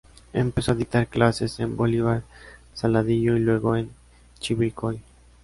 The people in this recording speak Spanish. Empezó a dictar clases en Bolívar, Saladillo y luego en Chivilcoy.